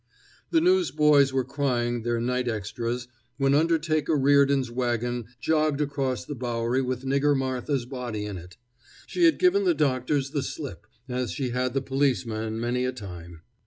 The newsboys were crying their night extras when Undertaker Reardon's wagon jogged across the Bowery with Nigger Martha's body in it. She had given the doctors the slip, as she had the policeman many a time.